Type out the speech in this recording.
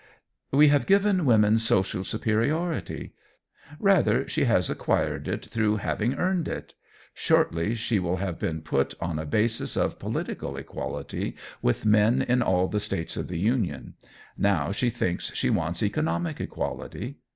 We have given woman social superiority; rather she has acquired it through having earned it. Shortly she will have been put on a basis of political equality with men in all the states of the Union. Now she thinks she wants economic equality.